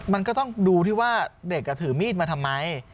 มันก็ต้องดูที่ว่าเด็กถือมีดมาทำไม